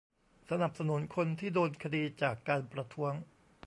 สนับสนุนคนที่โดนคดีจากการประท้วง